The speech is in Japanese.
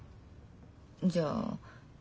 じゃあ。